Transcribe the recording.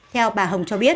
theo bà hồng cho biết